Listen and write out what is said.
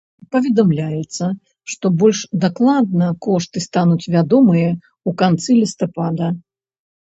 Паведамляецца, што больш дакладна кошты стануць вядомыя ў канцы лістапада.